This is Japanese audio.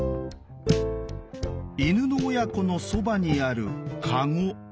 犬の親子のそばにあるかご。